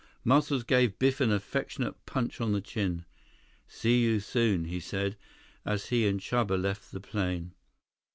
Muscles gave Biff an affectionate punch on the chin. "See you soon," he said, as he and Chuba left the plane.